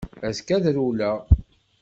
Azekka ad rewleɣ.